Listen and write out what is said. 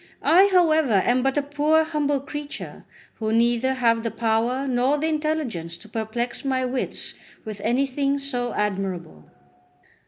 I, however, am but a poor humble creature, who neither have the power nor the intelligence to perplex my wits with anything so admirable."